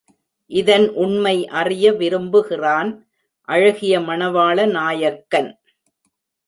இதன் உண்மை அறிய விரும்புகிறான் அழகிய மணவாள நாயக்கன்.